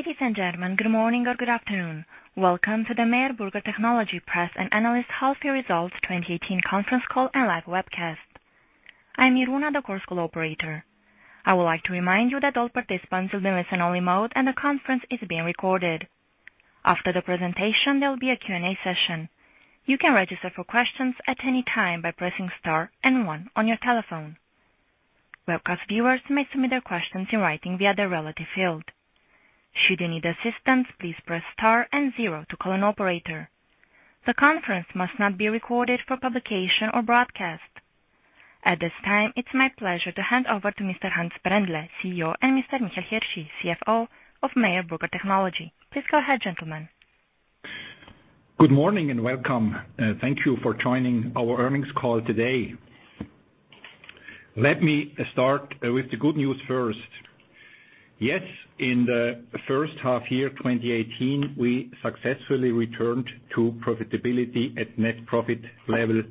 Ladies and gentlemen, good morning or good afternoon. Welcome to the Meyer Burger Technology Press and Analyst Half-Year Results 2018 conference call and live webcast. I am Iruna, the call operator. I would like to remind you that all participants will be in listen-only mode and the conference is being recorded. After the presentation, there will be a Q&A session. You can register for questions at any time by pressing star and one on your telephone. Webcast viewers may submit their questions in writing via the relative field. Should you need assistance, please press star and zero to call an operator. The conference must not be recorded for publication or broadcast. At this time, it's my pleasure to hand over to Mr. Hans Brändle, CEO, and Mr. Michel Hirschi, CFO of Meyer Burger Technology. Please go ahead, gentlemen. Good morning and welcome. Thank you for joining our earnings call today. Let me start with the good news first. Yes, in the first half-year 2018, we successfully returned to profitability at net profit level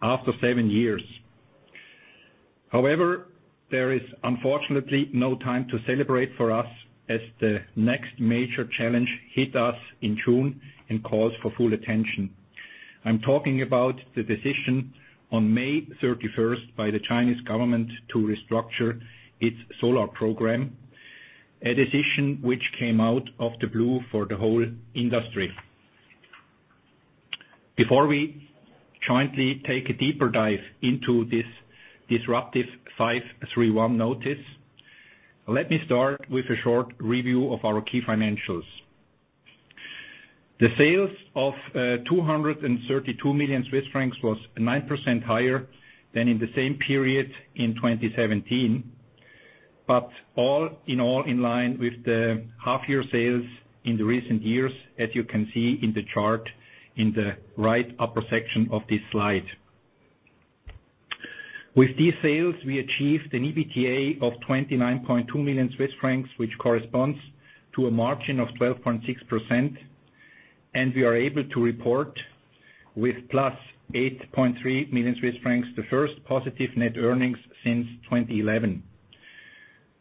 after seven years. However, there is unfortunately no time to celebrate for us as the next major challenge hit us in June and calls for full attention. I'm talking about the decision on May 31st by the Chinese government to restructure its solar program, a decision which came out of the blue for the whole industry. Before we jointly take a deeper dive into this disruptive 531 notice, let me start with a short review of our key financials. The sales of 232 million Swiss francs was 9% higher than in the same period in 2017. But all in all, in line with the half-year sales in the recent years, as you can see in the chart in the right upper section of this slide. With these sales, we achieved an EBITDA of 29.2 million Swiss francs, which corresponds to a margin of 12.6%, and we are able to report with plus 8.3 million Swiss francs, the first positive net earnings since 2011.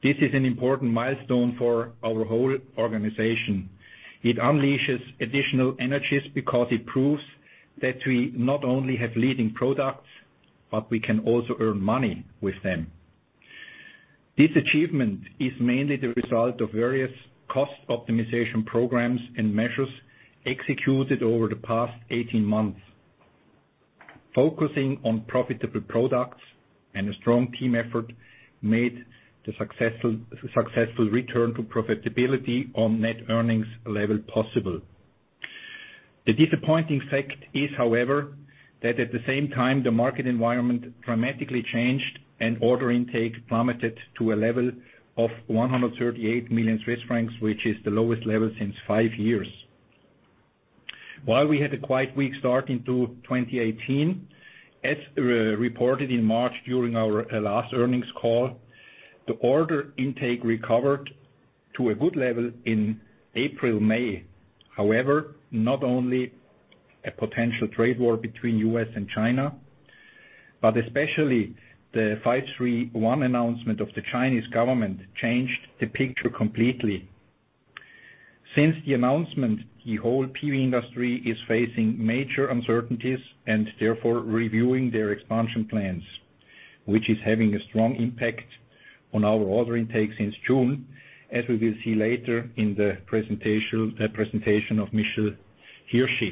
This is an important milestone for our whole organization. It unleashes additional energies because it proves that we not only have leading products, but we can also earn money with them. This achievement is mainly the result of various cost optimization programs and measures executed over the past 18 months. Focusing on profitable products and a strong team effort made the successful return to profitability on net earnings level possible. The disappointing fact is, however, that at the same time, the market environment dramatically changed and order intake plummeted to a level of 138 million Swiss francs, which is the lowest level since five years. While we had a quite weak start into 2018, as reported in March during our last earnings call, the order intake recovered to a good level in April, May. However, not only a potential trade war between U.S. and China, but especially the 531 announcement of the Chinese government changed the picture completely. Since the announcement, the whole PV industry is facing major uncertainties and therefore reviewing their expansion plans, which is having a strong impact on our order intake since June, as we will see later in the presentation of Michel Hirschi.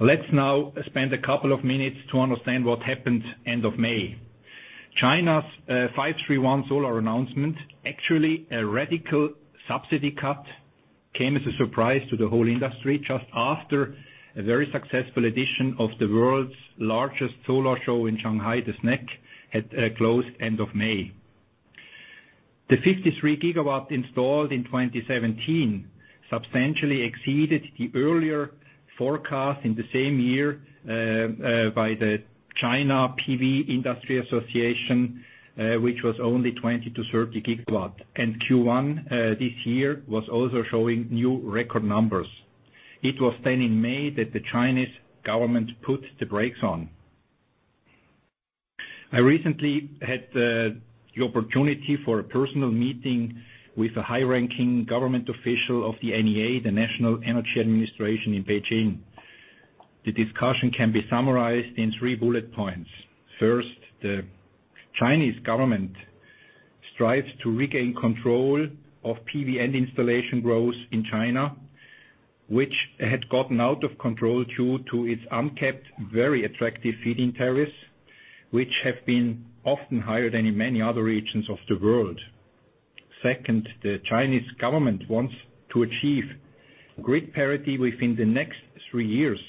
Let's now spend a couple of minutes to understand what happened end of May. China's 531 solar announcement, actually a radical subsidy cut, came as a surprise to the whole industry just after a very successful edition of the world's largest solar show in Shanghai, the SNEC, had closed end of May. The 53 GW installed in 2017 substantially exceeded the earlier forecast in the same year by the China PV Industry Association, which was only 20-30 GW. Q1 this year was also showing new record numbers. It was then in May that the Chinese government put the brakes on. I recently had the opportunity for a personal meeting with a high-ranking government official of the NEA, the National Energy Administration in Beijing. The discussion can be summarized in three bullet points. First, the Chinese government strives to regain control of PV end installation growth in China, which had gotten out of control due to its unkept very attractive feed-in tariffs, which have been often higher than in many other regions of the world. Second, the Chinese government wants to achieve grid parity within the next three years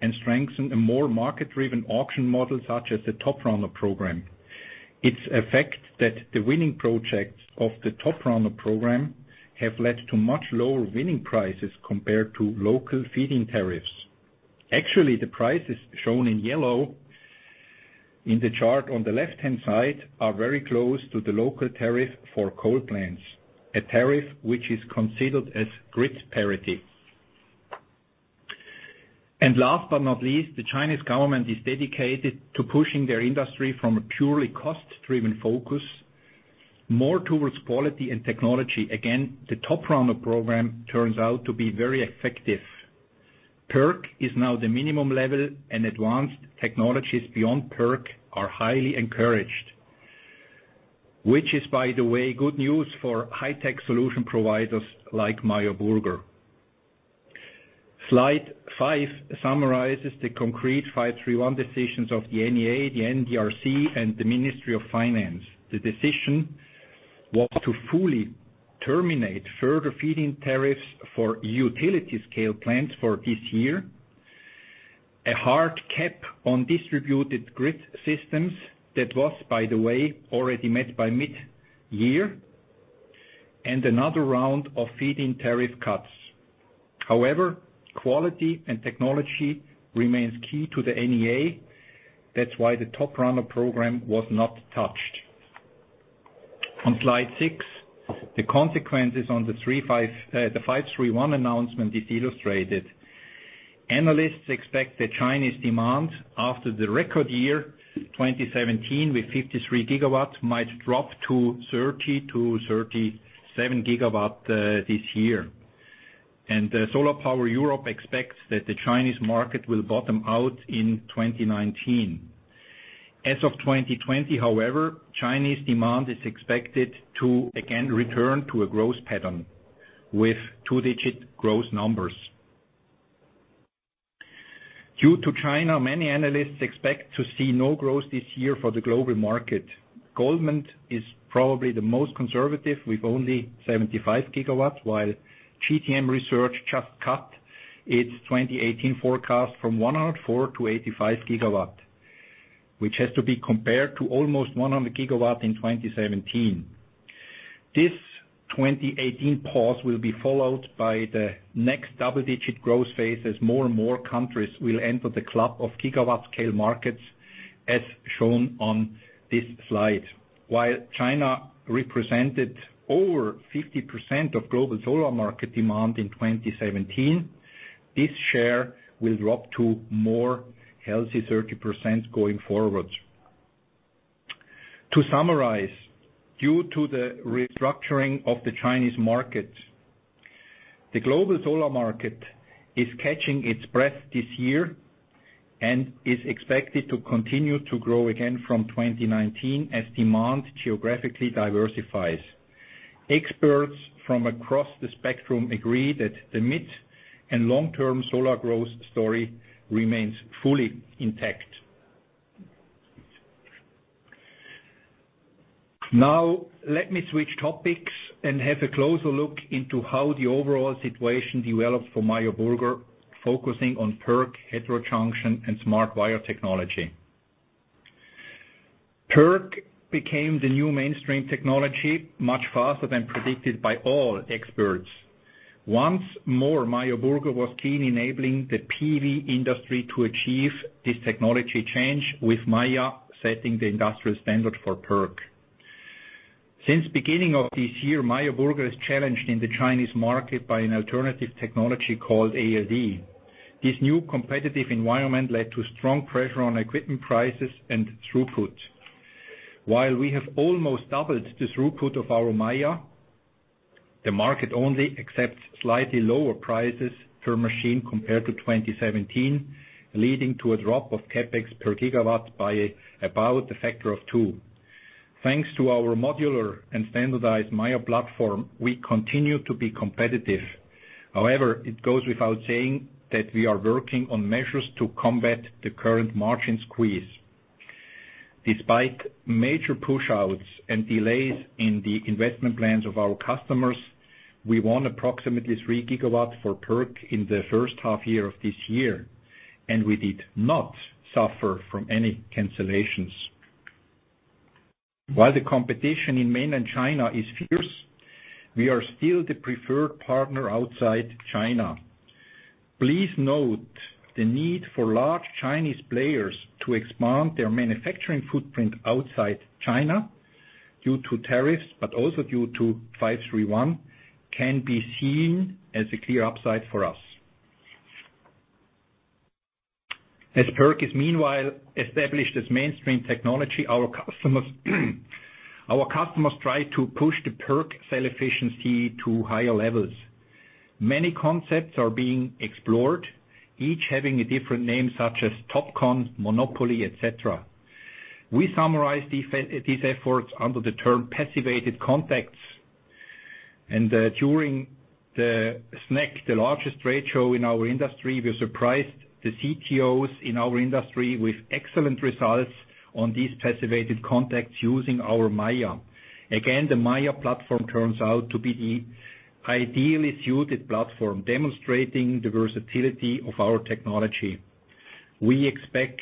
and strengthen a more market-driven auction model such as the Top Runner Program. It's a fact that the winning projects of the Top Runner Program have led to much lower winning prices compared to local feed-in tariffs. Actually, the prices shown in yellow in the chart on the left-hand side are very close to the local tariff for coal plants, a tariff which is considered as grid parity. Last but not least, the Chinese government is dedicated to pushing their industry from a purely cost-driven focus more towards quality and technology. Again, the Top Runner Program turns out to be very effective. PERC is now the minimum level, and advanced technologies beyond PERC are highly encouraged. Which is, by the way, good news for high-tech solution providers like Meyer Burger. Slide five summarizes the concrete 531 decisions of the NEA, the NDRC, and the Ministry of Finance. The decision was to fully terminate further feed-in tariffs for utility-scale plants for this year. A hard cap on distributed grid systems that was, by the way, already met by mid-year, and another round of feed-in tariff cuts. However, quality and technology remains key to the NEA. That's why the Top Runner Program was not touched. On slide six, the consequences on the 531 announcement is illustrated. Analysts expect the Chinese demand after the record year 2017, with 53 GW, might drop to 30-37 GW this year. SolarPower Europe expects that the Chinese market will bottom out in 2019. As of 2020, however, Chinese demand is expected to again return to a growth pattern with two-digit growth numbers. Due to China, many analysts expect to see no growth this year for the global market. Goldman is probably the most conservative with only 75 GW, while GTM Research just cut its 2018 forecast from 104-85 GW, which has to be compared to almost 100 GW in 2017. This 2018 pause will be followed by the next double-digit growth phase, as more and more countries will enter the club of GW-scale markets as shown on this slide. While China represented over 50% of global solar market demand in 2017, this share will drop to more healthy 30% going forward. To summarize, due to the restructuring of the Chinese market, the global solar market is catching its breath this year and is expected to continue to grow again from 2019 as demand geographically diversifies. Experts from across the spectrum agree that the mid- and long-term solar growth story remains fully intact. Let me switch topics and have a closer look into how the overall situation developed for Meyer Burger, focusing on PERC, heterojunction, and SmartWire technology. PERC became the new mainstream technology much faster than predicted by all experts. Once more, Meyer Burger was key enabling the PV industry to achieve this technology change, with MAiA setting the industrial standard for PERC. Since beginning of this year, Meyer Burger is challenged in the Chinese market by an alternative technology called ALD. This new competitive environment led to strong pressure on equipment prices and throughput. While we have almost doubled the throughput of our MAiA, the market only accepts slightly lower prices per machine compared to 2017, leading to a drop of CapEx per gigawatt by about a factor of two. Thanks to our modular and standardized MAiA platform, we continue to be competitive. It goes without saying that we are working on measures to combat the current margin squeeze. Despite major push-outs and delays in the investment plans of our customers, we won approximately three gigawatts for PERC in the first half year of this year, and we did not suffer from any cancellations. While the competition in mainland China is fierce, we are still the preferred partner outside China. Please note the need for large Chinese players to expand their manufacturing footprint outside China due to tariffs, but also due to 531 can be seen as a clear upside for us. As PERC is meanwhile established as mainstream technology, our customers try to push the PERC cell efficiency to higher levels. Many concepts are being explored, each having a different name, such as TOPCon, monoPoly, et cetera. We summarize these efforts under the term passivated contacts. During the SNEC, the largest trade show in our industry, we surprised the CTOs in our industry with excellent results on these passivated contacts using our MAiA. Again, the MAiA platform turns out to be the ideally suited platform, demonstrating the versatility of our technology. We expect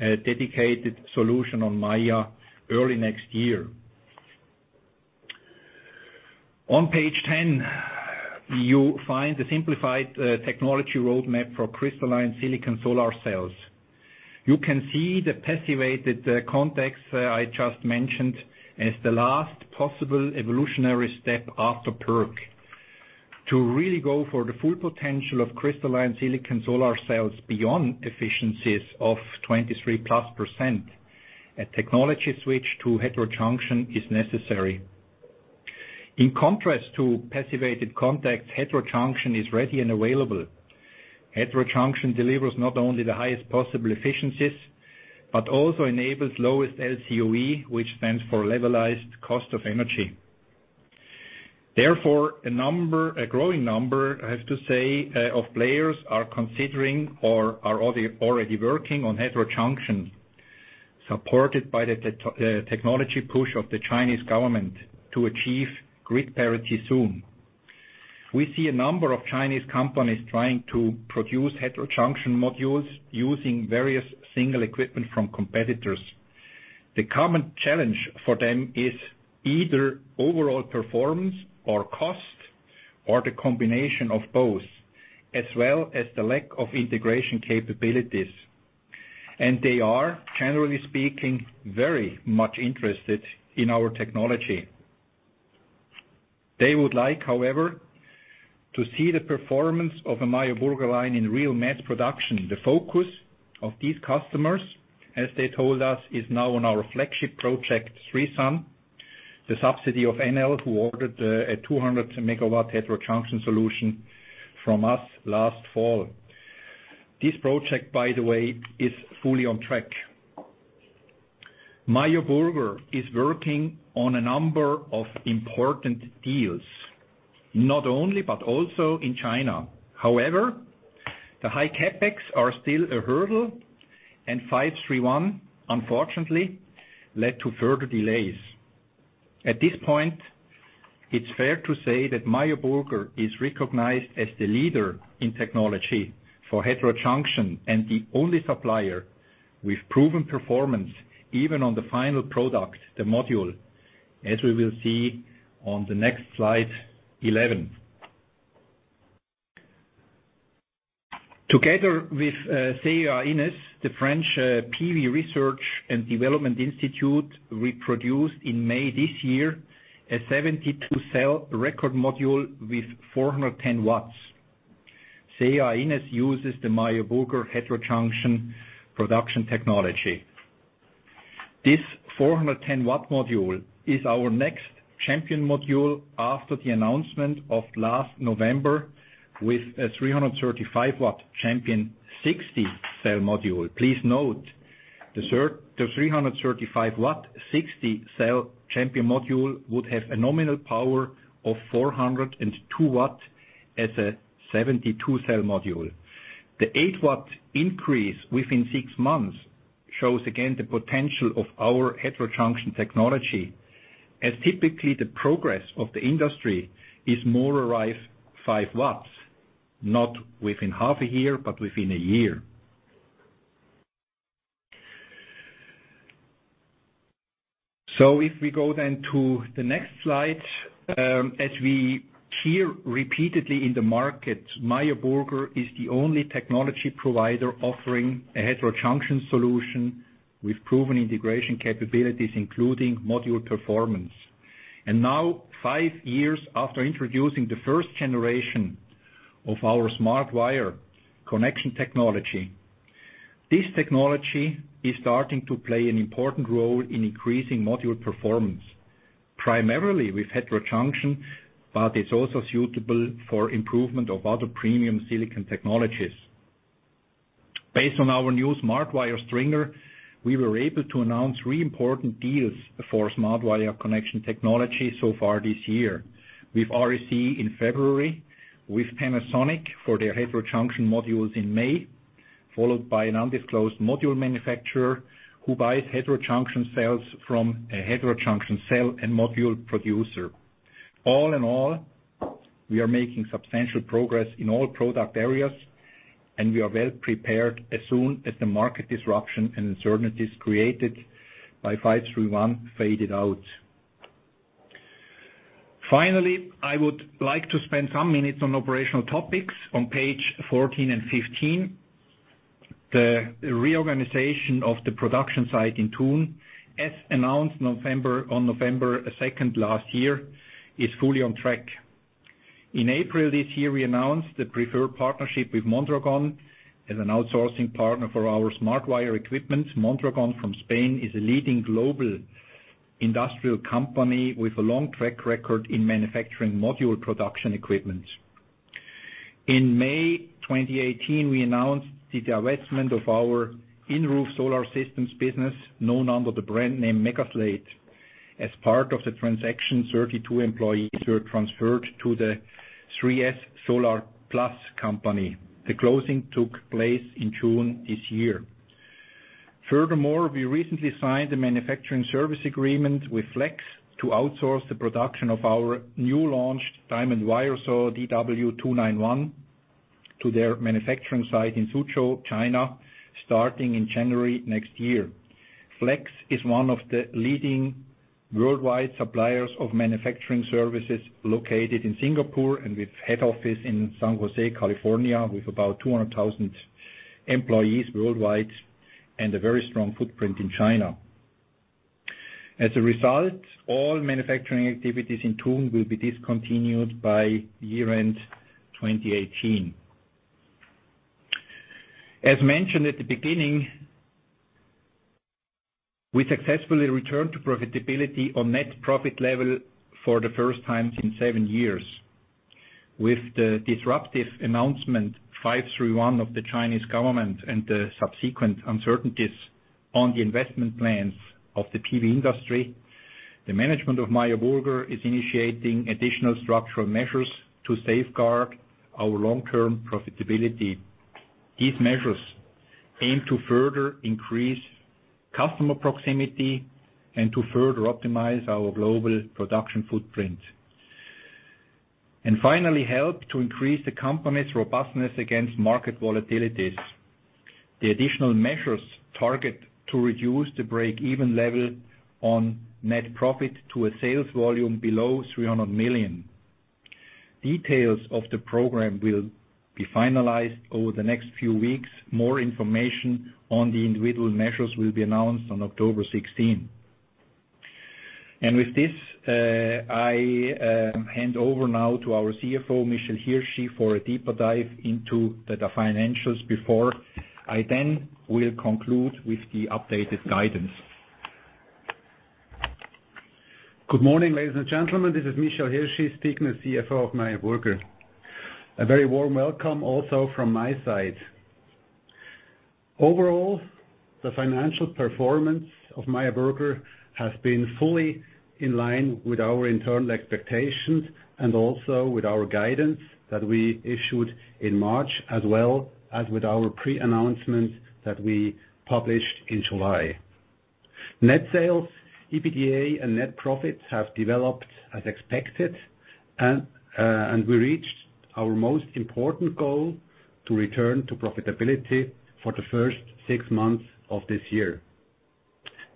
a dedicated solution on MAiA early next year. On page 10, you find the simplified technology roadmap for crystalline silicon solar cells. You can see the passivated contacts I just mentioned as the last possible evolutionary step after PERC. To really go for the full potential of crystalline silicon solar cells beyond efficiencies of 23+%, a technology switch to heterojunction is necessary. In contrast to passivated contacts, heterojunction is ready and available. Heterojunction delivers not only the highest possible efficiencies, but also enables lowest LCOE, which stands for levelized cost of energy. A growing number, I have to say, of players are considering or are already working on heterojunction, supported by the technology push of the Chinese government to achieve grid parity soon. We see a number of Chinese companies trying to produce heterojunction modules using various single equipment from competitors. The common challenge for them is either overall performance or cost, or the combination of both, as well as the lack of integration capabilities. They are, generally speaking, very much interested in our technology. They would like, however, to see the performance of a Meyer Burger line in real mass production. The focus of these customers, as they told us, is now on our flagship project, 3SUN, the subsidiary of Enel, who ordered a 200 MW heterojunction solution from us last fall. This project, by the way, is fully on track. Meyer Burger is working on a number of important deals, not only, but also in China. However, the high CapEx are still a hurdle, and 531, unfortunately, led to further delays. At this point, it's fair to say that Meyer Burger is recognized as the leader in technology for heterojunction and the only supplier with proven performance, even on the final product, the module, as we will see on the next slide 11. Together with CEA-INES, the French PV Research and Development Institute, we produced in May this year a 72-cell record module with 410 W. CEA-INES uses the Meyer Burger heterojunction production technology. This 410 W module is our next champion module after the announcement of last November with a 335 W champion 60-cell module. Please note, the 335 W, 60-cell champion module would have a nominal power of 402 W as a 72-cell module. The 8 W increase within 6 months shows again the potential of our heterojunction technology, as typically the progress of the industry is more around 5 W, not within half a year, but within a year. If we go then to the next slide. As we hear repeatedly in the market, Meyer Burger is the only technology provider offering a heterojunction solution with proven integration capabilities, including module performance. And now, 5 years after introducing the first generation of our SmartWire connection technology, this technology is starting to play an important role in increasing module performance, primarily with heterojunction, but it's also suitable for improvement of other premium silicon technologies. Based on our new SmartWire Stringer, we were able to announce 3 important deals for SmartWire connection technology so far this year: with REC in February, with Panasonic for their heterojunction modules in May, followed by an undisclosed module manufacturer who buys heterojunction cells from a heterojunction cell and module producer. All in all, we are making substantial progress in all product areas, and we are well prepared as soon as the market disruption and uncertainties created by 531 faded out. Finally, I would like to spend some minutes on operational topics on page 14 and 15. The reorganization of the production site in Thun, as announced on November 2nd last year, is fully on track. In April this year, we announced the preferred partnership with Mondragon as an outsourcing partner for our SmartWire equipment. Mondragon from Spain is a leading global industrial company with a long track record in manufacturing module production equipment. In May 2018, we announced the divestment of our in-roof solar systems business, known under the brand name MegaSlate. As part of the transaction, 32 employees were transferred to the 3S Solar Plus company. The closing took place in June this year. Furthermore, we recently signed a manufacturing service agreement with Flex to outsource the production of our new launched diamond wire saw, DW 291, to their manufacturing site in Suzhou, China, starting in January next year. Flex is one of the leading worldwide suppliers of manufacturing services located in Singapore, with head office in San Jose, California, with about 200,000 employees worldwide and a very strong footprint in China. As a result, all manufacturing activities in Thun will be discontinued by year-end 2018. As mentioned at the beginning, we successfully returned to profitability on net profit level for the first time in seven years. With the disruptive announcement 531 of the Chinese government and the subsequent uncertainties on the investment plans of the PV industry, the management of Meyer Burger is initiating additional structural measures to safeguard our long-term profitability. These measures aim to further increase customer proximity and to further optimize our global production footprint. Finally, help to increase the company's robustness against market volatilities. The additional measures target to reduce the break-even level on net profit to a sales volume below 300 million. Details of the program will be finalized over the next few weeks. More information on the individual measures will be announced on October 16. With this, I hand over now to our CFO, Michel Hirschi, for a deeper dive into the financials before I then will conclude with the updated guidance. Good morning, ladies and gentlemen. This is Michel Hirschi speaking, the CFO of Meyer Burger. A very warm welcome also from my side. Overall, the financial performance of Meyer Burger has been fully in line with our internal expectations and also with our guidance that we issued in March, as well as with our pre-announcement that we published in July. Net sales, EBITDA, and net profits have developed as expected, and we reached our most important goal to return to profitability for the first six months of this year.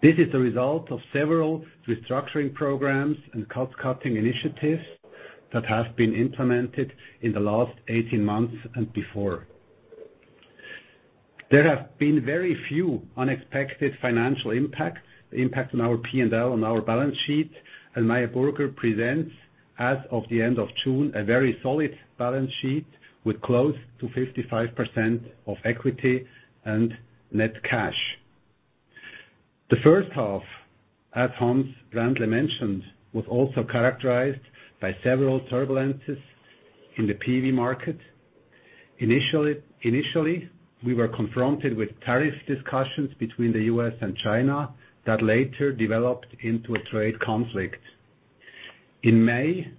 This is the result of several restructuring programs and cost-cutting initiatives that have been implemented in the last 18 months and before. There have been very few unexpected financial impacts, the impact on our P&L, on our balance sheet, Meyer Burger presents, as of the end of June, a very solid balance sheet with close to 55% of equity and net cash. The first half, as Hans Brändle mentioned, was also characterized by several turbulences in the PV market. Initially, we were confronted with tariff discussions between the U.S. and China that later developed into a trade conflict. In May,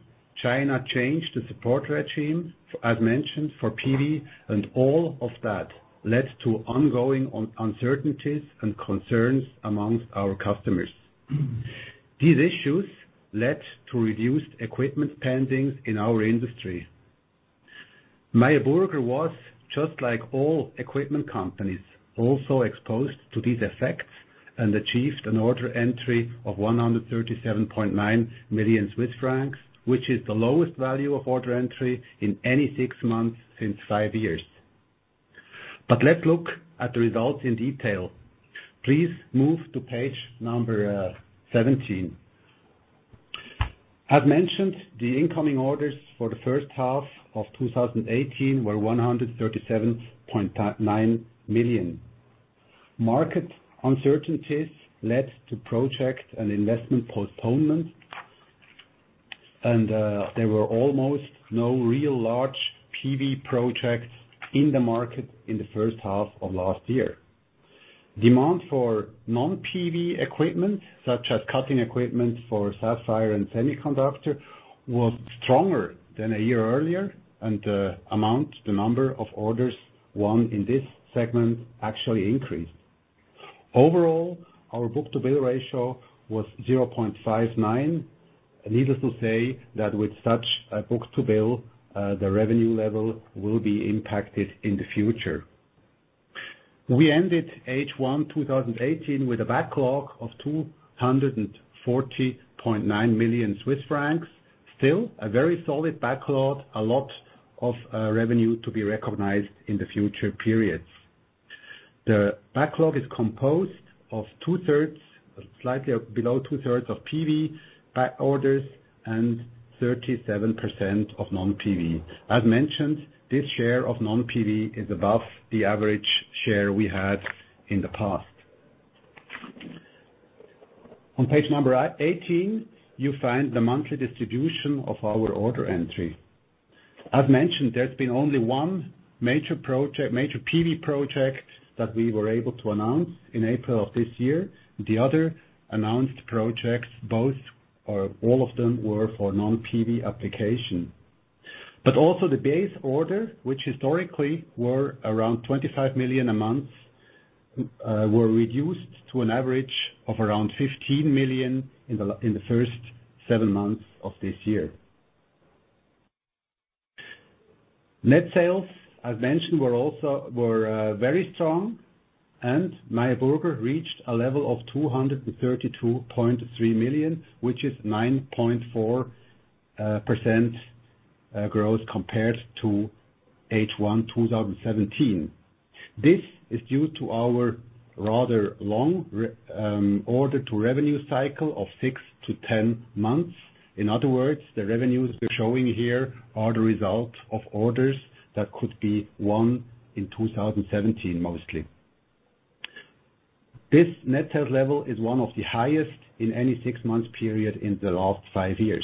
China changed the support regime, as mentioned, for PV, and all of that led to ongoing uncertainties and concerns amongst our customers. These issues led to reduced equipment spendings in our industry. Meyer Burger was, just like all equipment companies, also exposed to these effects and achieved an order entry of 137.9 million Swiss francs, which is the lowest value of order entry in any six months since five years. Let's look at the results in detail. Please move to page 17. As mentioned, the incoming orders for the first half of 2018 were 137.9 million. Market uncertainties led to project and investment postponement, and there were almost no real large PV projects in the market in the first half of last year. Demand for non-PV equipment, such as cutting equipment for sapphire and semiconductor, was stronger than a year earlier, and the number of orders won in this segment actually increased. Overall, our book-to-bill ratio was 0.59. Needless to say that with such a book-to-bill, the revenue level will be impacted in the future. We ended H1 2018 with a backlog of 240.9 million Swiss francs. Still a very solid backlog, a lot of revenue to be recognized in the future periods. The backlog is composed of slightly below two-thirds of PV back orders and 37% of non-PV. As mentioned, this share of non-PV is above the average share we had in the past. On page 18, you find the monthly distribution of our order entry. As mentioned, there's been only one major PV project that we were able to announce in April of this year. The other announced projects, both or all of them were for non-PV application. Also the base orders, which historically were around 25 million a month, were reduced to an average of around 15 million in the first seven months of this year. Net sales, I've mentioned, were very strong, and Meyer Burger reached a level of 232.3 million, which is 9.4% growth compared to H1 2017. This is due to our rather long order-to-revenue cycle of six to 10 months. In other words, the revenues we're showing here are the result of orders that could be won in 2017, mostly. This net sales level is one of the highest in any six-month period in the last five years.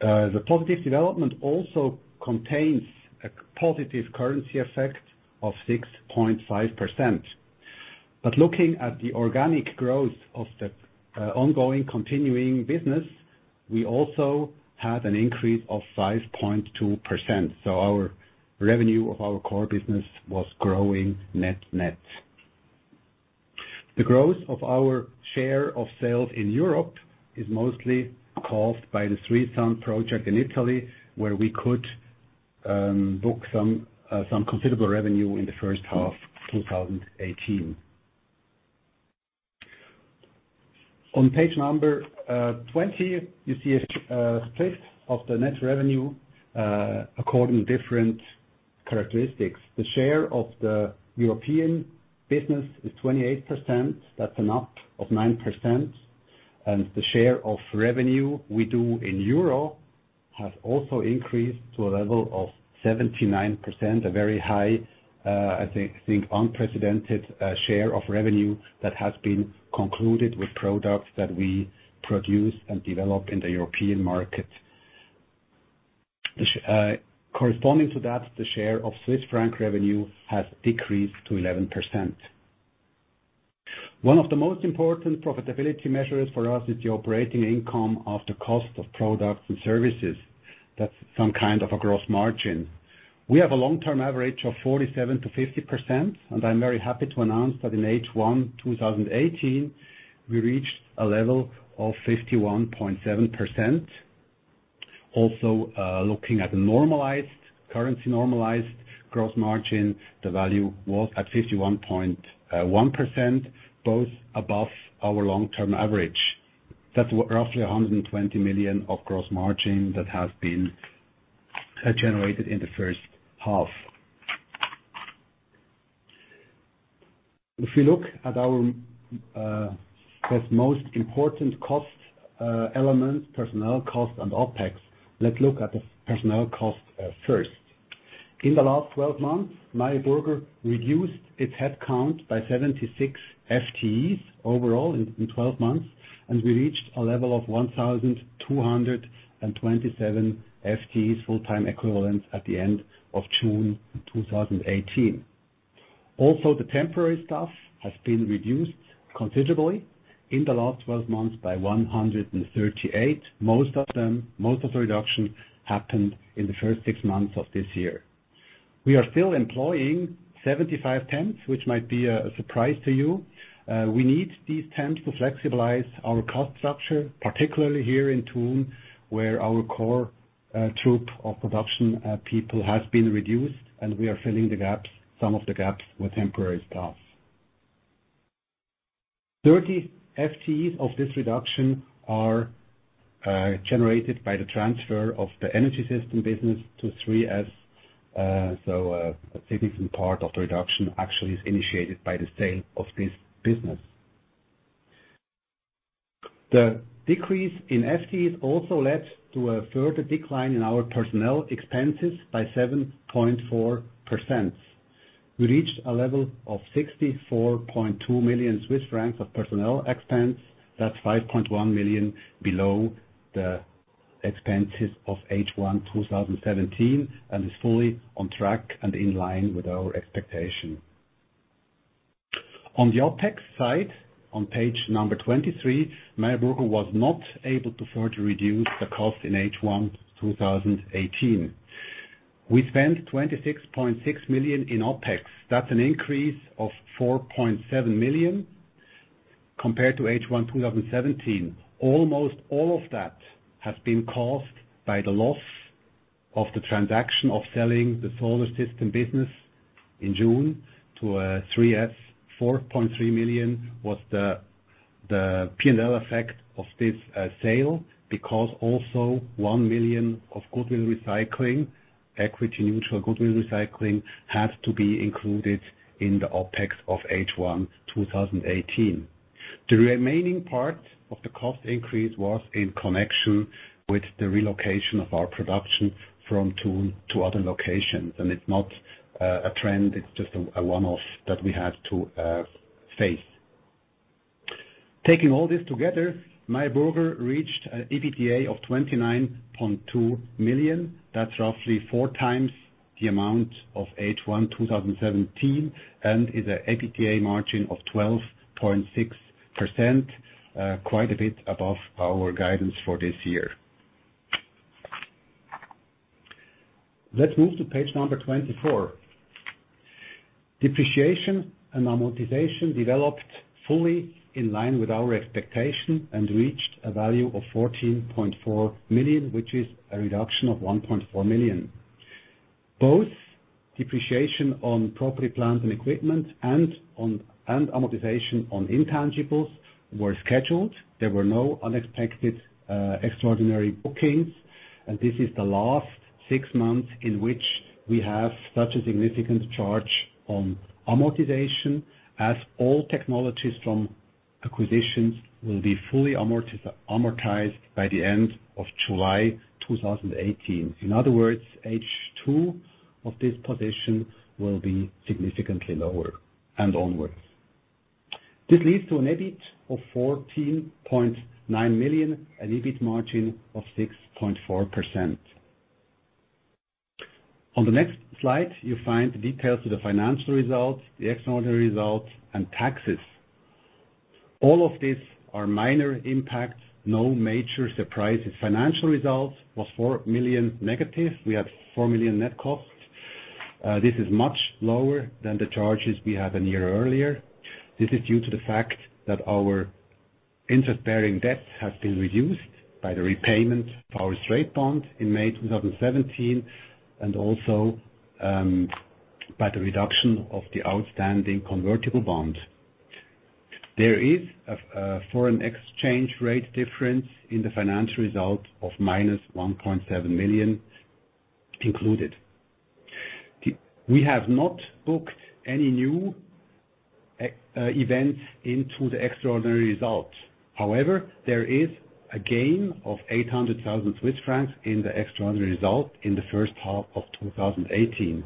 The positive development also contains a positive currency effect of 6.5%. Looking at the organic growth of the ongoing continuing business, we also had an increase of 5.2%. Our revenue of our core business was growing net-net. The growth of our share of sales in Europe is mostly caused by the 3SUN project in Italy, where we could book some considerable revenue in the first half of 2018. On page 20, you see a split of the net revenue according to different characteristics. The share of the European business is 28%. That's an up of 9%. The share of revenue we do in EUR has also increased to a level of 79%, a very high, I think unprecedented share of revenue that has been concluded with products that we produce and develop in the European market. Corresponding to that, the share of CHF revenue has decreased to 11%. One of the most important profitability measures for us is the operating income of the cost of products and services. That's some kind of a gross margin. We have a long-term average of 47%-50%, and I'm very happy to announce that in H1 2018, we reached a level of 51.7%. Also, looking at the currency-normalized gross margin, the value was at 51.1%, both above our long-term average. That's roughly 120 million of gross margin that has been generated in the first half. If you look at our most important cost elements, personnel cost and OpEx, let's look at the personnel cost first. In the last 12 months, Meyer Burger reduced its headcount by 76 FTEs overall in 12 months, and we reached a level of 1,227 FTEs, full-time equivalents, at the end of June 2018. Also, the temporary staff has been reduced considerably in the last 12 months by 138. Most of the reduction happened in the first six months of this year. We are still employing 75 temps, which might be a surprise to you. We need these temps to flexibilize our cost structure, particularly here in Thun, where our core troop of production people has been reduced, and we are filling some of the gaps with temporary staff. 30 FTEs of this reduction are generated by the transfer of the energy system business to 3S, so a significant part of the reduction actually is initiated by the sale of this business. The decrease in FTEs also led to a further decline in our personnel expenses by 7.4%. We reached a level of 64.2 million Swiss francs of personnel expense. That's 5.1 million below the expenses of H1 2017 and is fully on track and in line with our expectation. On the OpEx side, on page number 23, Meyer Burger was not able to further reduce the cost in H1 2018. We spent 26.6 million in OpEx. That's an increase of 4.7 million compared to H1 2017. Almost all of that has been caused by the loss of the transaction of selling the solar system business in June to 3S. 4.3 million was the P&L effect of this sale because also 1 million of goodwill recycling, equity neutral goodwill recycling, had to be included in the OpEx of H1 2018. The remaining part of the cost increase was in connection with the relocation of our production from Thun to other locations. It's not a trend, it's just a one-off that we had to face. Taking all this together, Meyer Burger reached an EBITDA of 29.2 million. That's roughly four times the amount of H1 2017 and is an EBITDA margin of 12.6%, quite a bit above our guidance for this year. Let's move to page number 24. Depreciation and amortization developed fully in line with our expectation and reached a value of 14.4 million, which is a reduction of 1.4 million. Both depreciation on property, plant, and equipment and amortization on intangibles were scheduled. There were no unexpected extraordinary bookings, and this is the last six months in which we have such a significant charge on amortization, as all technologies from acquisitions will be fully amortized by the end of July 2018. In other words, H2 of this position will be significantly lower and onwards. This leads to an EBIT of 14.9 million, an EBIT margin of 6.4%. On the next slide, you find the details of the financial results, the extraordinary results, and taxes. All of these are minor impacts, no major surprises. Financial results was 4 million negative. We had 4 million net cost. This is much lower than the charges we had a year earlier. This is due to the fact that our interest-bearing debt has been reduced by the repayment of our straight bond in May 2017, and also by the reduction of the outstanding convertible bond. There is a foreign exchange rate difference in the financial result of minus 1.7 million included. We have not booked any new events into the extraordinary results. There is a gain of 800,000 Swiss francs in the extraordinary results in the first half of 2018.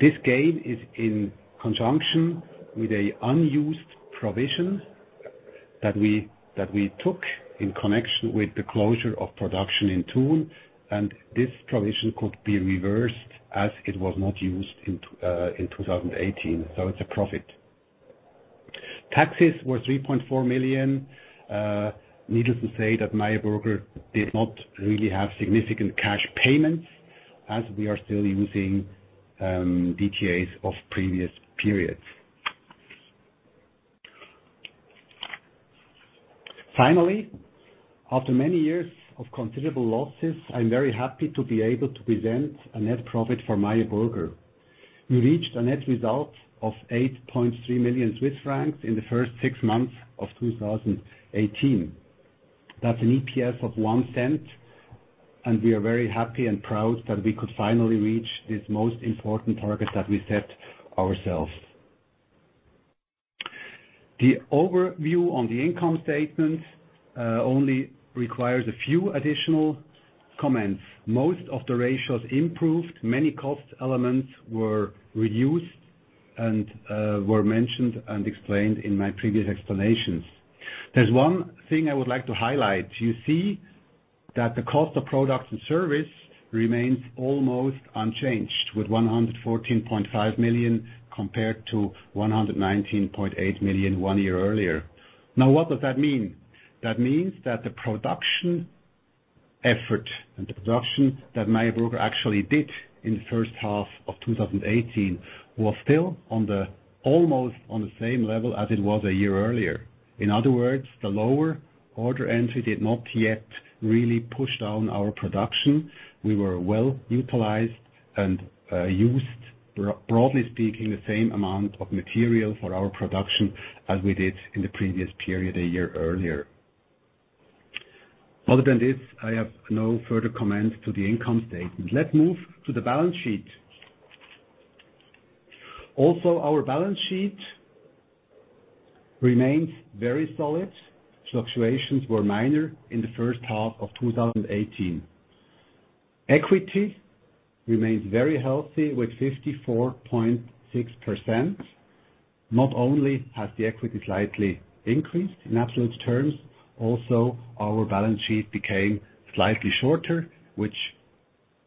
This gain is in conjunction with an unused provision that we took in connection with the closure of production in Thun, and this provision could be reversed as it was not used in 2018, so it's a profit. Taxes were 3.4 million. Needless to say that Meyer Burger did not really have significant cash payments as we are still using DTAs of previous periods. After many years of considerable losses, I'm very happy to be able to present a net profit for Meyer Burger. We reached a net result of 8.3 million Swiss francs in the first six months of 2018. That's an EPS of 0.01, and we are very happy and proud that we could finally reach this most important target that we set ourselves. The overview on the income statement only requires a few additional comments. Most of the ratios improved. Many cost elements were reduced and were mentioned and explained in my previous explanations. There's one thing I would like to highlight. You see that the cost of products and service remains almost unchanged, with 114.5 million compared to 119.8 million one year earlier. That means that the production effort and the production that Meyer Burger actually did in the first half of 2018 was still almost on the same level as it was a year earlier. The lower order entry did not yet really push down our production. We were well utilized and used, broadly speaking, the same amount of material for our production as we did in the previous period a year earlier. Other than this, I have no further comments to the income statement. Let's move to the balance sheet. Our balance sheet remains very solid. Fluctuations were minor in the first half of 2018. Equity remains very healthy with 54.6%. Not only has the equity slightly increased in absolute terms, our balance sheet became slightly shorter, which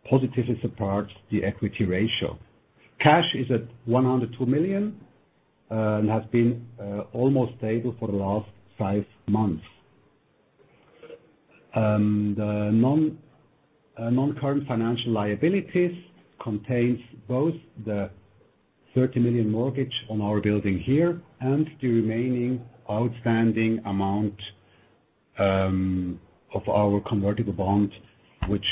positively supports the equity ratio. Cash is at 102 million and has been almost stable for the last five months. The non-current financial liabilities contains both the 30 million mortgage on our building here and the remaining outstanding amount of our convertible bond, which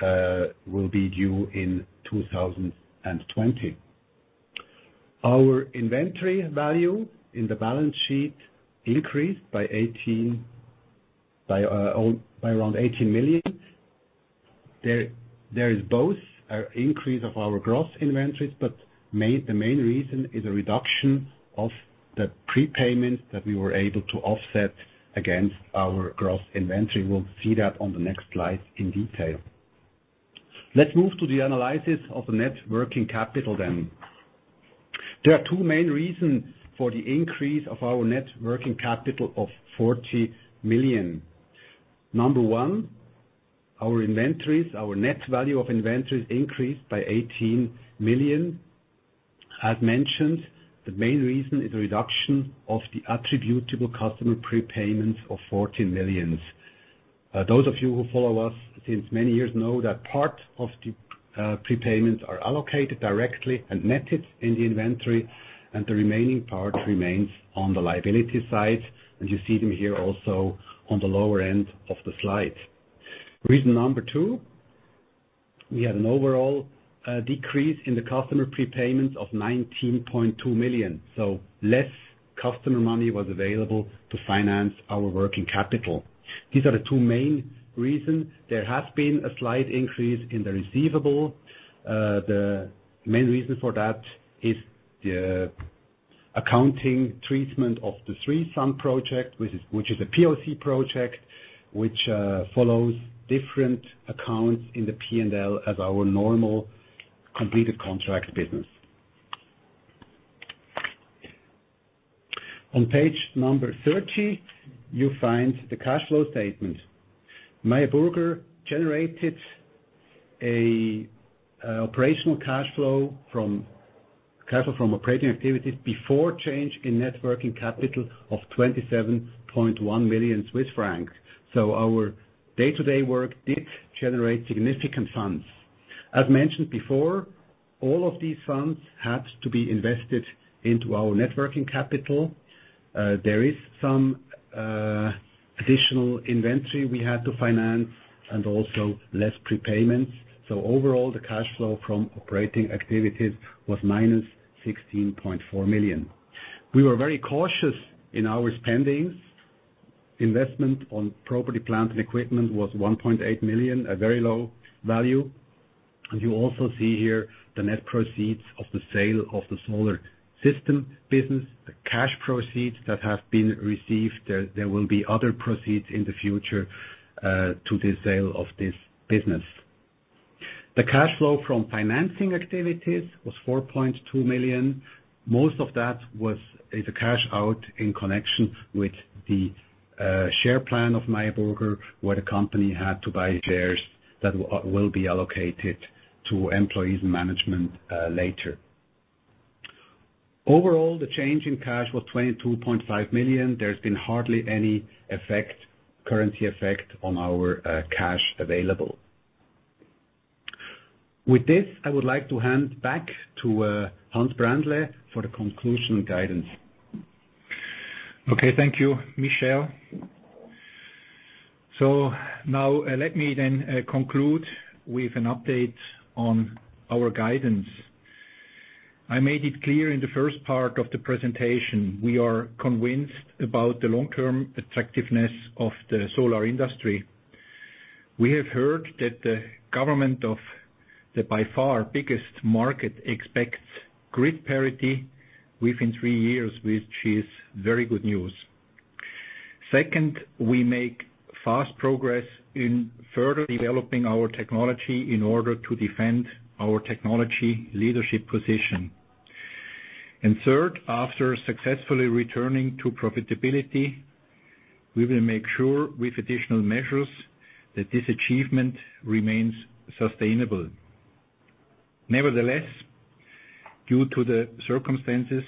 will be due in 2020. Our inventory value in the balance sheet increased by around 18 million. There is both an increase of our gross inventories, the main reason is a reduction of the prepayment that we were able to offset against our gross inventory. We'll see that on the next slide in detail. Let's move to the analysis of the net working capital then. There are two main reasons for the increase of our net working capital of 40 million. Number 1, our inventories, our net value of inventories increased by 18 million. As mentioned, the main reason is the reduction of the attributable customer prepayments of 14 million. Those of you who follow us since many years know that part of the prepayments are allocated directly and netted in the inventory, and the remaining part remains on the liability side, and you see them here also on the lower end of the slide. Reason number two, we had an overall decrease in the customer prepayments of 19.2 million. Less customer money was available to finance our working capital. These are the two main reasons. There has been a slight increase in the receivable. The main reason for that is the accounting treatment of the 3SUN project, which is a POC project, which follows different accounts in the P&L as our normal completed contract business. On page 30, you find the cash flow statement. Meyer Burger generated an operational cash flow from operating activities before change in net working capital of 27.1 million Swiss francs. Our day-to-day work did generate significant funds. As mentioned before, all of these funds had to be invested into our net working capital. There is some additional inventory we had to finance and also less prepayments. Overall, the cash flow from operating activities was minus 16.4 million. We were very cautious in our spendings. Investment on property, plant, and equipment was 1.8 million, a very low value. You also see here the net proceeds of the sale of the solar system business, the cash proceeds that have been received. There will be other proceeds in the future to the sale of this business. The cash flow from financing activities was 4.2 million. Most of that is a cash out in connection with the share plan of Meyer Burger, where the company had to buy shares that will be allocated to employees and management later. Overall, the change in cash was 22.5 million. There's been hardly any currency effect on our cash available. With this, I would like to hand back to Hans Brändle for the conclusion guidance. Okay. Thank you, Michel. Now let me then conclude with an update on our guidance. I made it clear in the first part of the presentation, we are convinced about the long-term attractiveness of the solar industry. We have heard that the government of the by far biggest market expects grid parity within three years, which is very good news. Second, we make fast progress in further developing our technology in order to defend our technology leadership position. Third, after successfully returning to profitability, we will make sure with additional measures that this achievement remains sustainable. Nevertheless, due to the circumstances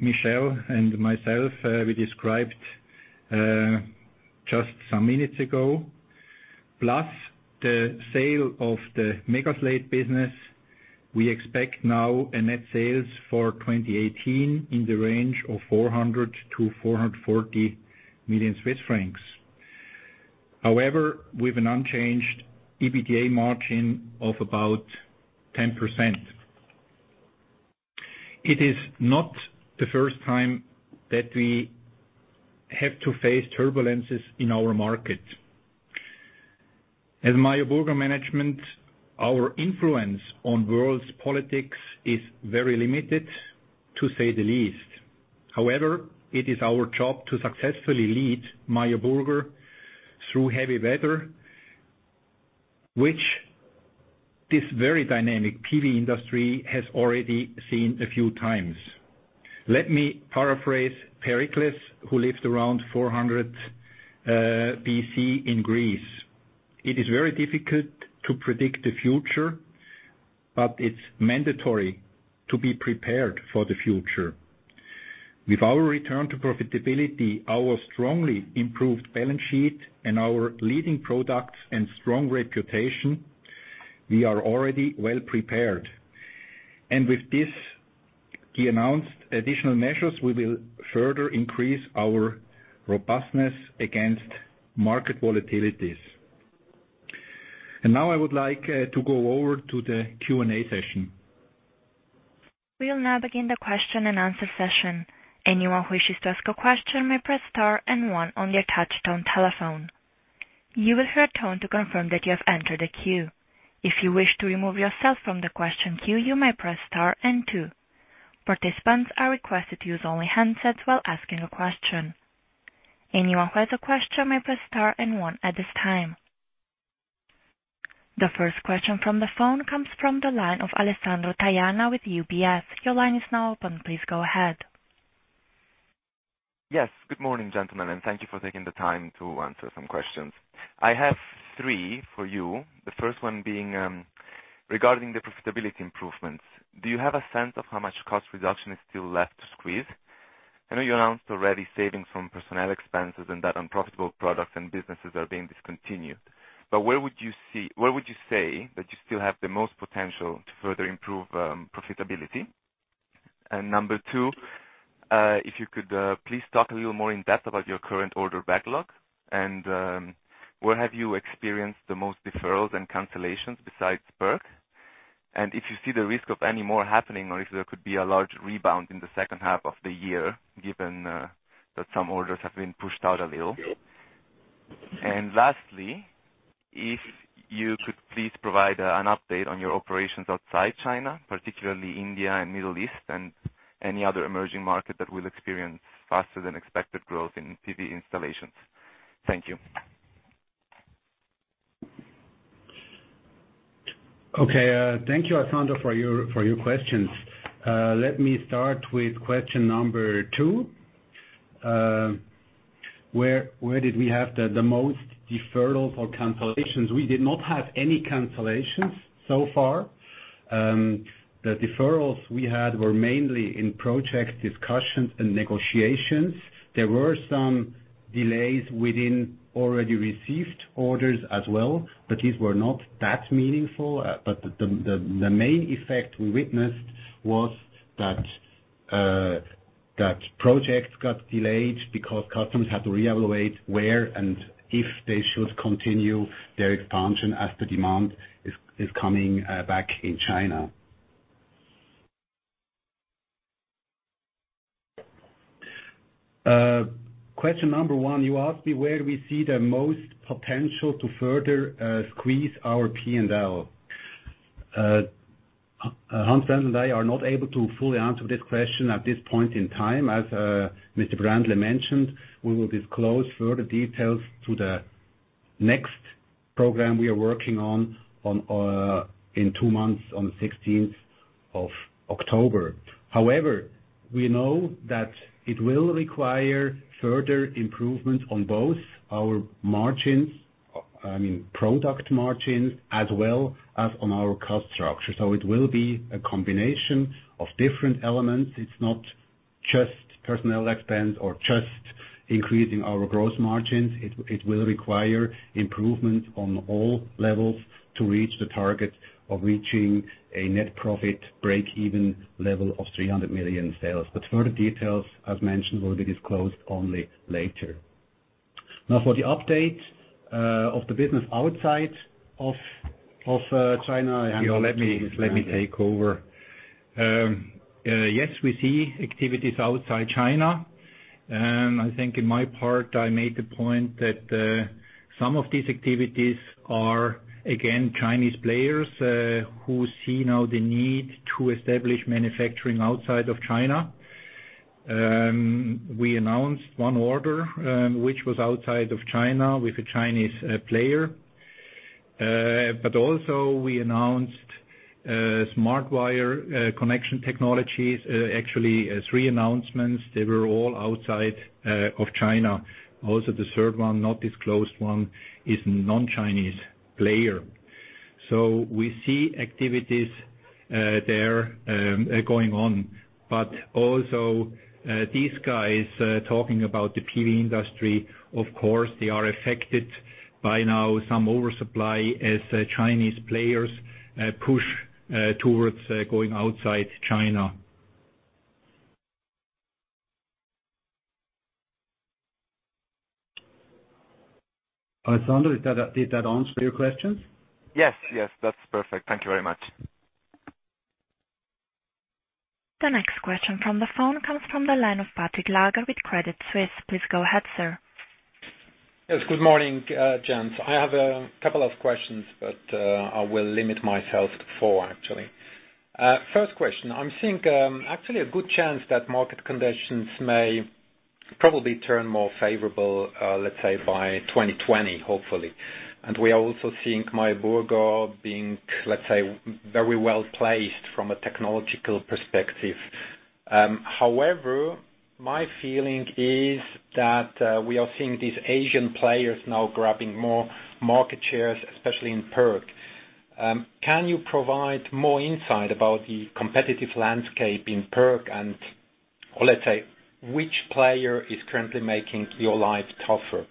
Michel and myself we described just some minutes ago, plus the sale of the MegaSlate business, we expect now a net sales for 2018 in the range of 400 million-440 million Swiss francs. However, with an unchanged EBITDA margin of about 10%. It is not the first time that we have to face turbulences in our market. As Meyer Burger management, our influence on world's politics is very limited, to say the least. However, it is our job to successfully lead Meyer Burger through heavy weather, which this very dynamic PV industry has already seen a few times. Let me paraphrase Pericles, who lived around 400 BC in Greece. It is very difficult to predict the future, but it's mandatory to be prepared for the future. With our return to profitability, our strongly improved balance sheet, and our leading products and strong reputation, we are already well prepared. With this, the announced additional measures, we will further increase our robustness against market volatilities. Now I would like to go over to the Q&A session. We will now begin the question and answer session. Anyone who wishes to ask a question may press star and one on the attached telephone. You will hear a tone to confirm that you have entered a queue. If you wish to remove yourself from the question queue, you may press star and two. Participants are requested to use only handsets while asking a question. Anyone who has a question may press star and one at this time. The first question from the phone comes from the line of Alessandro Taiana with UBS. Your line is now open. Please go ahead. Yes. Good morning, gentlemen. Thank you for taking the time to answer some questions. I have three for you. The first one being. Regarding the profitability improvements, do you have a sense of how much cost reduction is still left to squeeze? I know you announced already savings from personnel expenses and that unprofitable products and businesses are being discontinued, but where would you say that you still have the most potential to further improve profitability? Number two, if you could please talk a little more in depth about your current order backlog, and where have you experienced the most deferrals and cancellations besides PERC? If you see the risk of any more happening, or if there could be a large rebound in the second half of the year, given that some orders have been pushed out a little. Lastly, if you could please provide an update on your operations outside China, particularly India and Middle East, and any other emerging market that will experience faster than expected growth in PV installations. Thank you. Okay. Thank you, Alessandro, for your questions. Let me start with question number two. Where did we have the most deferrals or cancellations? We did not have any cancellations so far. The deferrals we had were mainly in project discussions and negotiations. There were some delays within already received orders as well, but these were not that meaningful. The main effect we witnessed was that projects got delayed because customers had to reevaluate where and if they should continue their expansion as the demand is coming back in China. Question number one, you asked me where we see the most potential to further squeeze our P&L. Hans and I are not able to fully answer this question at this point in time. As Mr. Brändle mentioned, we will disclose further details to the next program we are working on in two months, on the 16th of October. We know that it will require further improvements on both our margins, I mean product margins, as well as on our cost structure. It will be a combination of different elements. It is not just personnel expense or just increasing our gross margins. It will require improvement on all levels to reach the target of reaching a net profit break-even level of 300 million sales. Further details, as mentioned, will be disclosed only later. For the update of the business outside of China. Let me take over. Yes, we see activities outside China. I think in my part, I made the point that some of these activities are, again, Chinese players who see now the need to establish manufacturing outside of China. We announced one order, which was outside of China with a Chinese player. Also, we announced SmartWire connection technologies, actually three announcements. They were all outside of China. Also, the third one, not disclosed one, is non-Chinese player. We see activities there going on. Also, these guys talking about the PV industry, of course, they are affected by now some oversupply as Chinese players push towards going outside China. Alessandro, did that answer your questions? Yes. That's perfect. Thank you very much. The next question from the phone comes from the line of Patrick Laager with Credit Suisse. Please go ahead, sir. Yes. Good morning, gents. I have a couple of questions, but I will limit myself to 4 actually. First question, I am seeing actually a good chance that market conditions may probably turn more favorable, let's say, by 2020, hopefully. We are also seeing Meyer Burger being, let's say, very well-placed from a technological perspective. However, my feeling is that we are seeing these Asian players now grabbing more market shares, especially in PERC. Can you provide more insight about the competitive landscape in PERC and, or let's say, which player is currently making your life tougher?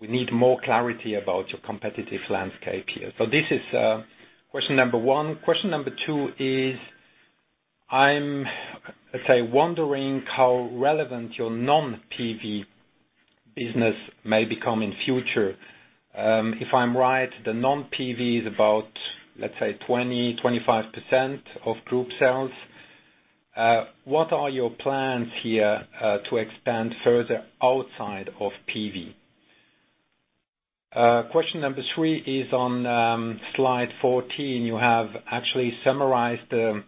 We need more clarity about your competitive landscape here. This is question number 1. Question number 2 is, I am, let's say, wondering how relevant your non-PV business may become in future. If I am right, the non-PV is about, let's say, 20, 25% of group sales. What are your plans here to expand further outside of PV? Question number 3 is on slide 14. You have actually summarized the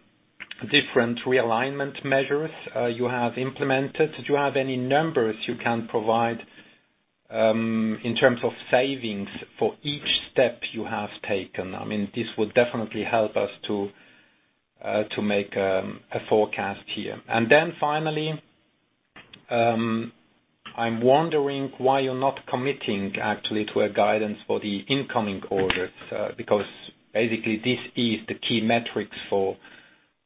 different realignment measures you have implemented. Do you have any numbers you can provide in terms of savings for each step you have taken? This would definitely help us to make a forecast here. Finally- I am wondering why you are not committing actually to a guidance for the incoming orders, because basically this is the key metrics for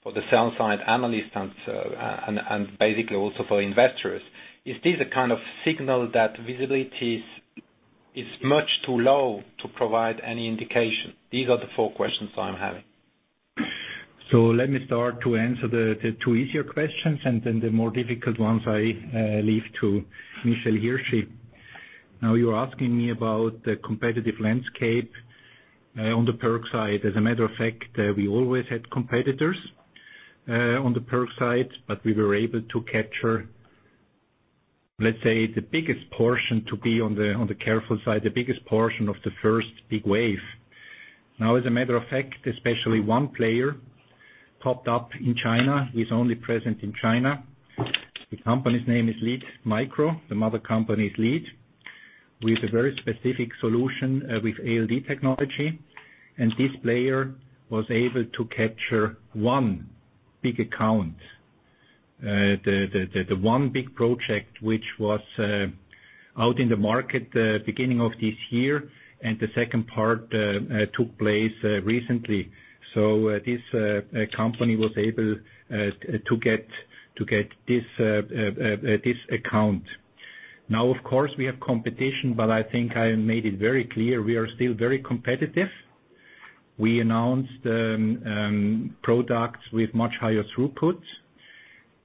the sell side analysts and basically also for investors. Is this a kind of signal that visibility is much too low to provide any indication? These are the four questions I am having. Let me start to answer the two easier questions, and then the more difficult ones I leave to Michel here. You are asking me about the competitive landscape on the PERC side. As a matter of fact, we always had competitors on the PERC side, but we were able to capture, let's say, the biggest portion to be on the careful side, the biggest portion of the first big wave. As a matter of fact, especially one player popped up in China. He is only present in China. The company's name is Leadmicro. The mother company is Lead, with a very specific solution with ALD technology. This player was able to capture one big account. The one big project, which was out in the market the beginning of this year, and the second part took place recently. This company was able to get this account. Of course, we have competition, but I think I made it very clear we are still very competitive. We announced products with much higher throughputs,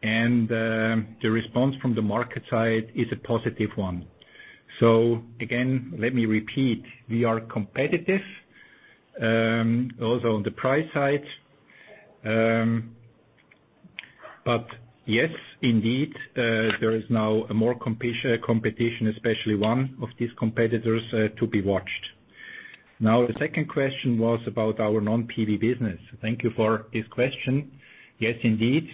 and the response from the market side is a positive one. Again, let me repeat. We are competitive, also on the price side. Yes, indeed, there is now more competition, especially one of these competitors to be watched. The second question was about our non-PV business. Thank you for this question. Yes, indeed.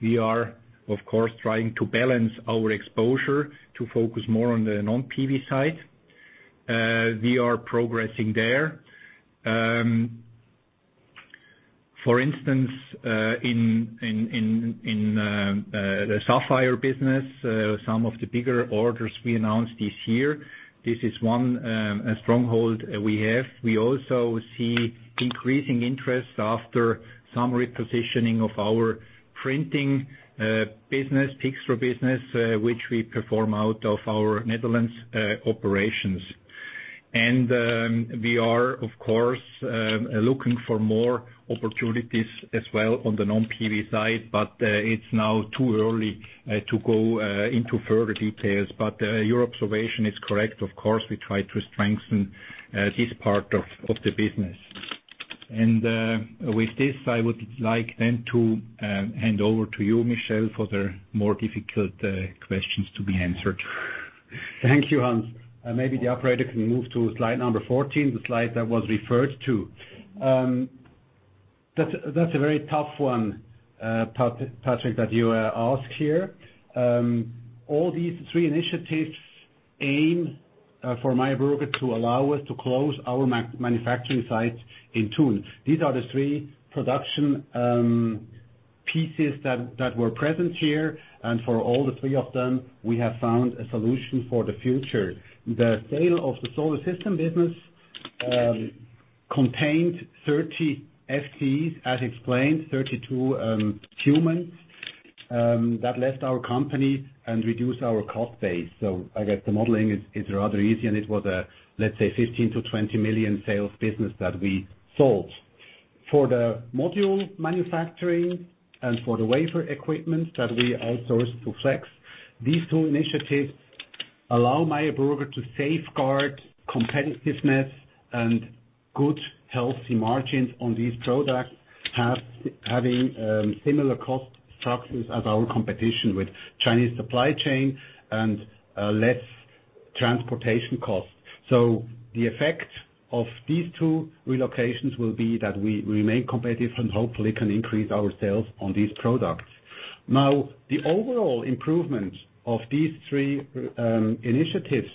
We are, of course, trying to balance our exposure to focus more on the non-PV side. We are progressing there. For instance, in the sapphire business, some of the bigger orders we announced this year, this is one stronghold we have. We also see increasing interest after some repositioning of our printing business, Pixdro business, which we perform out of our Netherlands operations. We are, of course, looking for more opportunities as well on the non-PV side, but it's now too early to go into further details. Your observation is correct. Of course, we try to strengthen this part of the business. With this, I would like then to hand over to you, Michel, for the more difficult questions to be answered. Thank you, Hans. Maybe the operator can move to slide number 14, the slide that was referred to. That's a very tough one, Patrick, that you ask here. All these three initiatives aim for Meyer Burger to allow us to close our manufacturing sites in Thun. These are the three production pieces that were present here, and for all the three of them, we have found a solution for the future. The sale of the solar system business contained 30 FTEs, as explained, 32 humans that left our company and reduced our cost base. I guess the modeling is rather easy, and it was a, let's say, 15 million-20 million sales business that we sold. For the module manufacturing and for the wafer equipment that we outsourced to Flex, these two initiatives allow Meyer Burger to safeguard competitiveness and good, healthy margins on these products, having similar cost structures as our competition with Chinese supply chain and less transportation costs. The effect of these two relocations will be that we remain competitive and hopefully can increase our sales on these products. The overall improvement of these three initiatives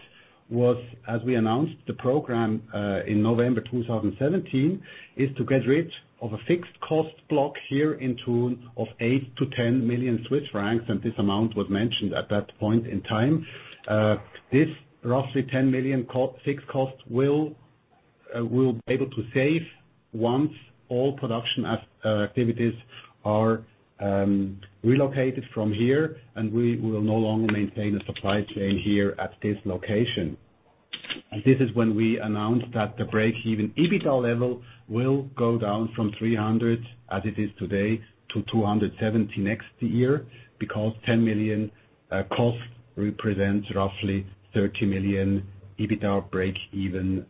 was, as we announced the program in November 2017, is to get rid of a fixed cost block here in Thun of 8 million-10 million Swiss francs, and this amount was mentioned at that point in time. This roughly 10 million fixed cost we will be able to save once all production activities are relocated from here and we will no longer maintain a supply chain here at this location. This is when we announced that the break-even EBITDA level will go down from 300 million, as it is today, to 270 million next year because 10 million cost represents roughly 30 million EBITDA break-even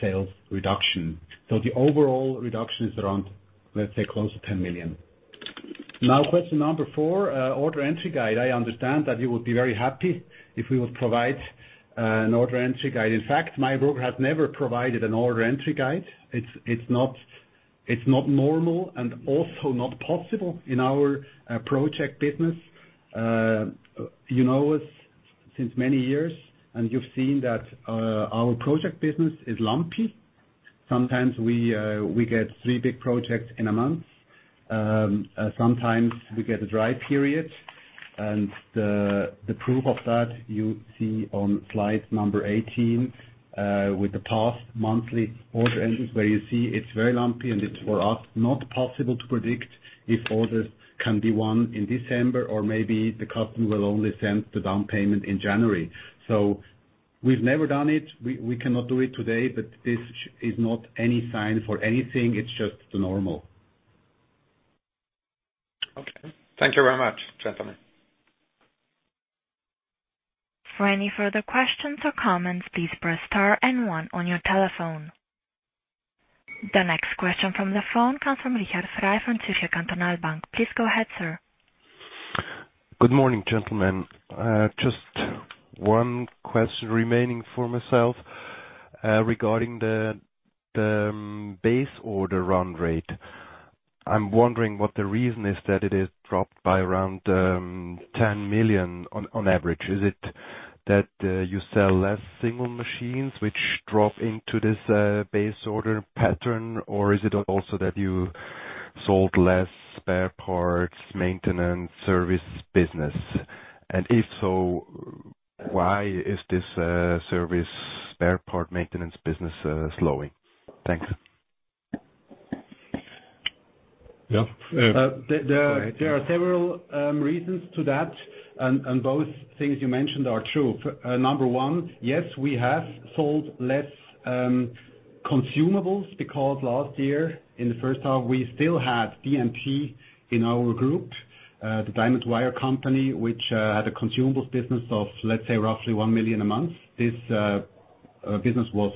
sales reduction. The overall reduction is around, let's say, close to 10 million. Question number 4, order entry guide. I understand that you would be very happy if we would provide an order entry guide. In fact, Meyer Burger has never provided an order entry guide. It's not normal and also not possible in our project business. You know us since many years, and you've seen that our project business is lumpy. Sometimes we get three big projects in a month. Sometimes we get a dry period, and the proof of that you see on slide number 18, with the past monthly order entries, where you see it's very lumpy, and it's, for us, not possible to predict if orders can be won in December, or maybe the customer will only send the down payment in January. We've never done it. We cannot do it today, but this is not any sign for anything. It's just the normal. Okay. Thank you very much, gentlemen. For any further questions or comments, please press star and one on your telephone. The next question from the phone comes from Richard Fry from Zürcher Kantonalbank. Please go ahead, sir. Good morning, gentlemen. Just one question remaining for myself regarding the base order run rate. I'm wondering what the reason is that it is dropped by around 10 million on average. Is it that you sell less single machines which drop into this base order pattern, or is it also that you sold less spare parts, maintenance, service business? If so, why is this service spare part maintenance business slowing? Thanks. Yeah. There are several reasons to that. Both things you mentioned are true. Number one, yes, we have sold less consumables because last year, in the first half, we still had DMT in our group, the diamond wire company, which had a consumables business of, let's say, roughly 1 million a month. This business was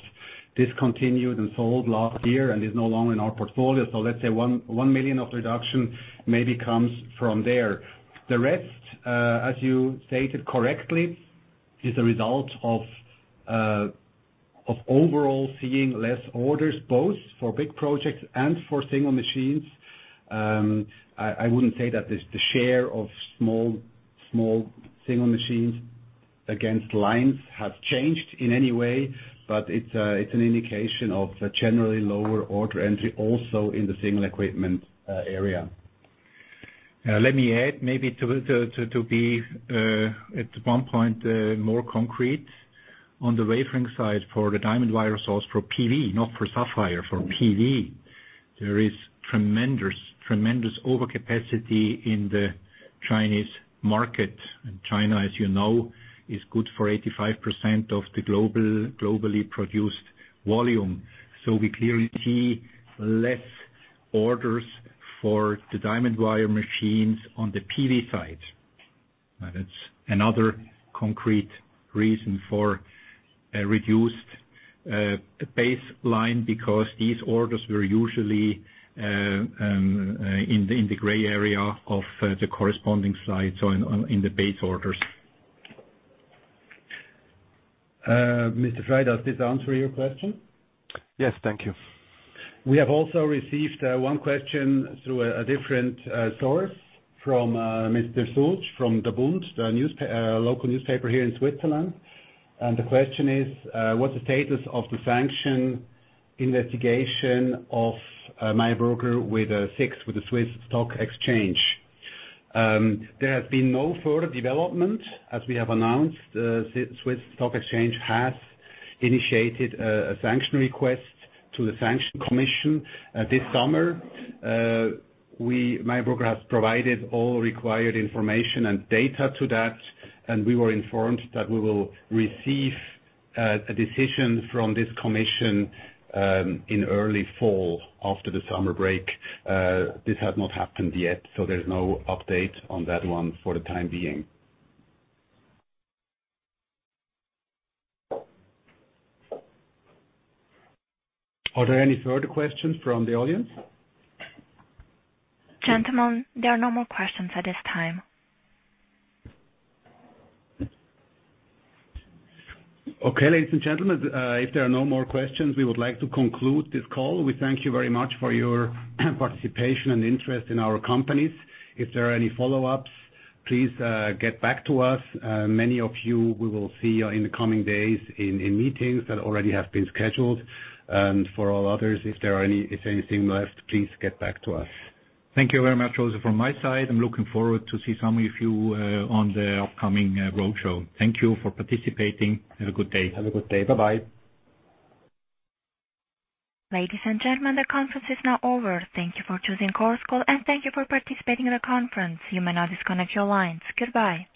discontinued and sold last year and is no longer in our portfolio. Let's say 1 million of reduction maybe comes from there. The rest, as you stated correctly, is a result of overall seeing less orders, both for big projects and for single machines. I wouldn't say that the share of small single machines against lines has changed in any way, but it's an indication of the generally lower order entry also in the single equipment area. Let me add maybe to be at one point more concrete. On the wafering side, for the diamond wire saws for PV, not for sapphire, for PV, there is tremendous overcapacity in the Chinese market. China, as you know, is good for 85% of the globally produced volume. We clearly see less orders for the diamond wire machines on the PV side. That's another concrete reason for a reduced baseline, because these orders were usually in the gray area of the corresponding side, so in the base orders. Mr. Fry, does this answer your question? Yes. Thank you. We have also received one question through a different source from Mr. Sulc from "The Bund," a local newspaper here in Switzerland. The question is: what's the status of the sanction investigation of Meyer Burger with the SIX, with the Swiss Stock Exchange? There has been no further development. As we have announced, the Swiss Stock Exchange has initiated a sanction request to the Sanctions Commission this summer. Meyer Burger has provided all required information and data to that, and we were informed that we will receive a decision from this commission in early fall after the summer break. This has not happened yet, there's no update on that one for the time being. Are there any further questions from the audience? Gentlemen, there are no more questions at this time. Okay, ladies and gentlemen. If there are no more questions, we would like to conclude this call. We thank you very much for your participation and interest in our companies. If there are any follow-ups, please get back to us. Many of you we will see you in the coming days in meetings that already have been scheduled. For all others, if there is anything left, please get back to us. Thank you very much also from my side. I'm looking forward to see some of you on the upcoming roadshow. Thank you for participating. Have a good day. Have a good day. Bye-bye. Ladies and gentlemen, the conference is now over. Thank you for choosing Chorus Call. Thank you for participating in the conference. You may now disconnect your lines. Goodbye.